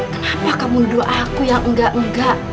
kenapa kamu doa aku yang enggak enggak